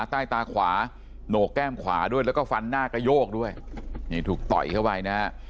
ใต้ตาขวาโหนกแก้มขวาด้วยแล้วก็ฟันหน้ากระโยกด้วยนี่ถูกต่อยเข้าไปนะฮะ